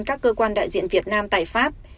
các cơ quan đại diện việt nam tại pháp